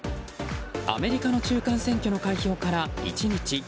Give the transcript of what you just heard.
アメリカの中間選挙の開票から１日。